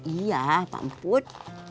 iya apa ampun